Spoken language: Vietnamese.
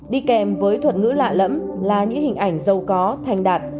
đi kèm với thuật ngữ lạ lẫm là những hình ảnh giàu có thành đạt